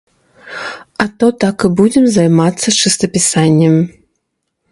А то так і будзем займацца чыстапісаннем.